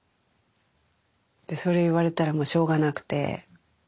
でそれ言われたらもうしょうがなくて。